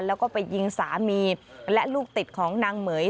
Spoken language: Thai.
แล้วก็ไปยิงสามีและลูกติดของนางเหม๋ย